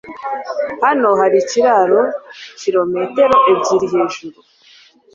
Hano hari ikiraro kirometero ebyiri hejuru.